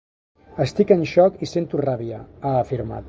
Estic en xoc i sento ràbia, ha afirmat.